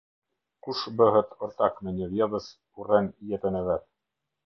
Kush bëhet ortak me një vjedhës urren jetën e vet.